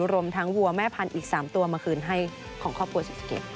รวมทั้งวัวแม่พันธุ์อีก๓ตัวมาคืนให้ของครอบครัวศรีสะเกด